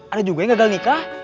ada juga yang gagal nikah